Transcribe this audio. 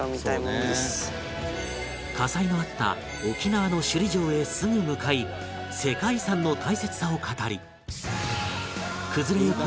火災のあった沖縄の首里城へすぐ向かい世界遺産の大切さを語り崩れゆく